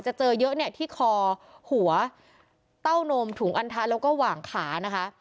เจอเยอะเนี่ยที่คอหัวเต้านมถุงอันทะแล้วก็หว่างขานะคะ